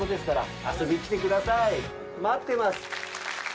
待ってます。